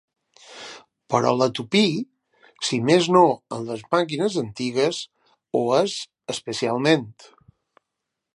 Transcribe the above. Però la tupí, si més no en les màquines antigues, ho és especialment.